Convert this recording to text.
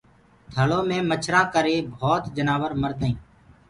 ٿݪو مي مڇرآنٚ ڪري ڀوت جنآور مردآئينٚ